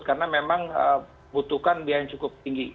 karena memang butuhkan biaya yang cukup tinggi